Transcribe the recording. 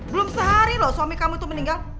belum sehari loh suami kamu itu meninggal